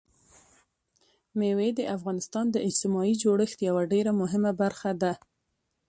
مېوې د افغانستان د اجتماعي جوړښت یوه ډېره مهمه برخه ده.